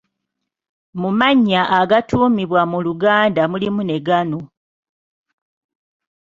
Mu mannya agatuumibwa mu Luganda mulimu ne gano.